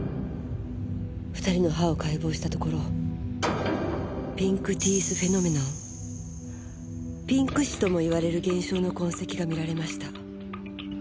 ２人の歯を解剖したところピンク・ティース・フェノメノンピンク歯ともいわれる現象の痕跡が見られました。